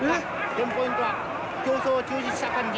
テンポイントは競走を中止した感じ。